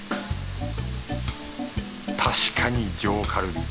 確かに上カルビ。